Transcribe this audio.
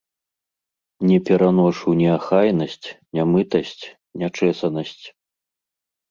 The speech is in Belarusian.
Не пераношу неахайнасць, нямытасць, нячэсанасць.